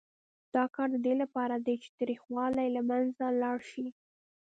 دا کار د دې لپاره دی چې تریخوالی یې له منځه لاړ شي.